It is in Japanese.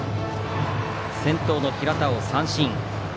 先頭の平田を三振。